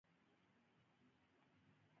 تېره میاشت چیرته وئ؟